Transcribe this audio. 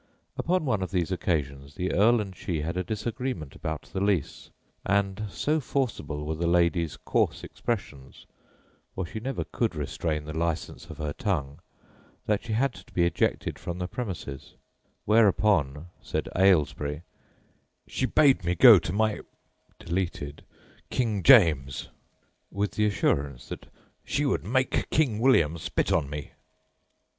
Upon one of these occasions the Earl and she had a disagreement about the lease, and so forcible were the lady's coarse expressions, for she never could restrain the licence of her tongue, that she had to be ejected from the premises, whereupon, says Ailesbury, "she bade me go to my King James," with the assurance that "she would make King William spit on me."